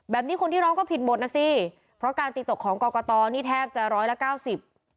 คนที่ร้องก็ผิดหมดนะสิเพราะการตีตกของกรกตนี่แทบจะร้อยละเก้าสิบ